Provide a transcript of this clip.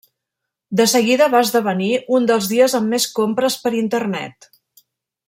De seguida va esdevenir un dels dies amb més compres per internet.